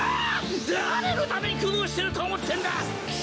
誰のために苦労してると思ってんだ貴様！